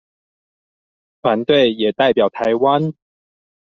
團隊也代表臺灣